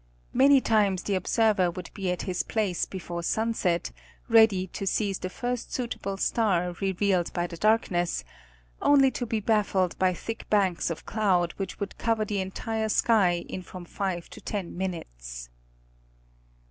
Many times the observer would be at his place before sunset ready to seize the first suitable star revealed by the darkness, only to be baffled by thick banks of cloud which would cover the entire sky in from five to ten minutes.